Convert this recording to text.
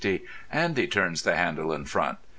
Andy turns the handle in front.